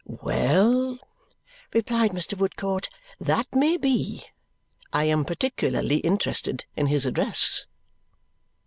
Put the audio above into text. "Well," replied Mr. Woodcourt, "that may be. I am particularly interested in his address."